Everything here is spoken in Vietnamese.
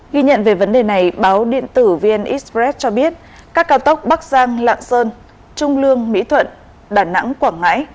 ghi nhận về vấn đề này báo điện tử vn express cho biết các cao tốc bắc giang lạng sơn trung lương mỹ thuận đà nẵng quảng ngãi